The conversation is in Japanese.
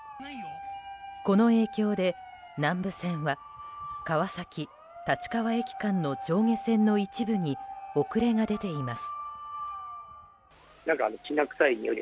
この影響で、南武線は川崎立川駅間の上下線の一部に遅れが出ています。